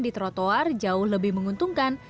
di trotoar jauh lebih menguntungkan